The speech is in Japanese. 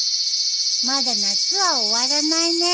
まだ夏は終わらないね。